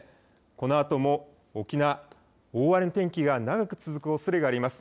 このあとも沖縄、大荒れの天気が長く続くおそれがあります。